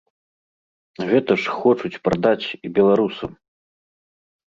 Гэта ж хочуць прадаць і беларусам.